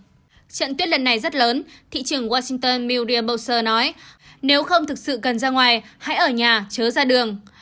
trong trận tuyết lần này rất lớn thị trưởng washington mudir boser nói nếu không thực sự cần ra ngoài hãy ở nhà chớ ra đường